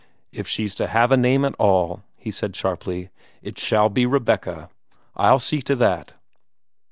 "If she's to have a name at all," he said sharply, "it shall be Rebecca! I'll see to that."